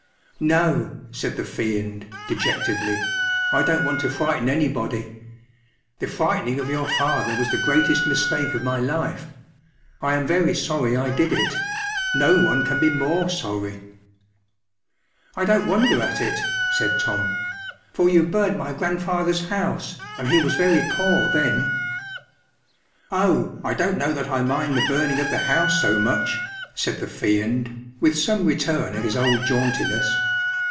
“ No,” said the Fiend, dejectedly, “ I don’t want to frighten anybody. The frightening of your father was the greatest mistake of my life. I am very sorry I did it; no one can be more sorry.” “ I don’t wonder at it,” said lorn ; “ for you burnt my grandfather’s house, and he was very poor then.” “ Oh, I don’t know that I mind the burn¬ ing of the house so much,” said the Fiend, with some return of his old jauntiness.